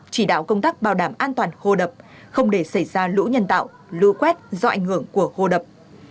chỉ đạo công tác bảo đảm an toàn hô đập không để xảy ra lũ nhân tạo lũ quét do ảnh hưởng của hô đập